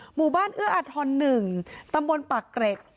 หมู่บ้านเอื้ออาทร๑ตำบลปากเกร็ด